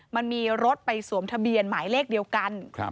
มันมีรถไปสวมทะเบียนหมายเลขเดียวกัน